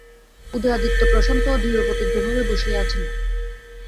উদয়াদিত্য প্রশান্ত ও দৃঢ়প্রতিজ্ঞ ভাবে বসিয়া আছেন।